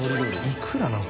いくらなの？